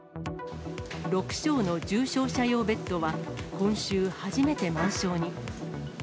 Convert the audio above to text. ６床の重症者用ベッドは、今週初めて満床に。